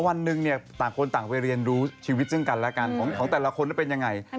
วันหนึ่งเนี่ยต่างคนต่างไปเรียนรู้ชีวิตซึ่งกันและกันของแต่ละคนเป็นยังไง